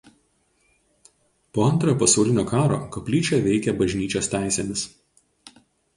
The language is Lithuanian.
Po Antrojo pasaulinio karo koplyčia veikia bažnyčios teisėmis.